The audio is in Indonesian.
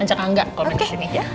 ajak angga komen disini ya